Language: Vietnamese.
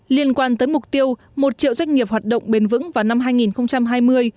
liên quan tới mục tiêu một triệu doanh nghiệp hoạt động bền vững vào năm hai nghìn hai mươi